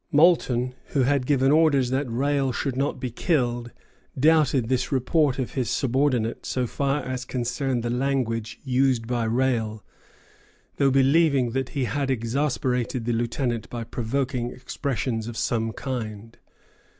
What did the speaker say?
Moulton, who had given orders that Rale should not be killed, doubted this report of his subordinate so far as concerned the language used by Rale, though believing that he had exasperated the lieutenant by provoking expressions of some kind.